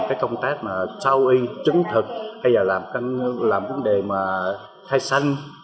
cái công tác mà sau y chứng thực hay là làm vấn đề mà thai sanh